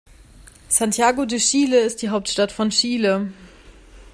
Santiago de Chile ist die Hauptstadt von Chile.